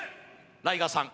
ライガーさん